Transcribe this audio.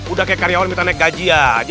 udah kayak karyawan minta naik gaji ya aja